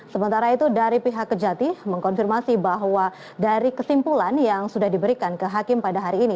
sementara itu dari pihak kejati mengkonfirmasi bahwa dari kesimpulan yang sudah diberikan ke hakim pada hari ini